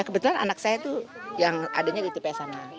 kebetulan anak saya tuh yang adanya di tps sana